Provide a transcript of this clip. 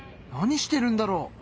何してるんだろう？